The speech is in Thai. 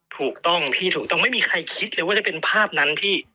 ถูกต้องพี่ถูกต้องไม่มีใครคิดเลยว่าจะเป็นภาพนั้นพี่